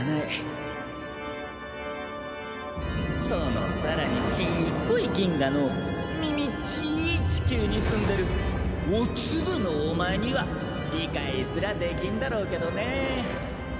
そのさらにちっこい銀河のみみっちいチキューに住んでるおツブのお前には理解すらできんだろうけどね。